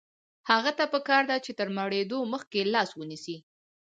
هغه ته پکار ده چې تر مړېدو مخکې لاس ونیسي.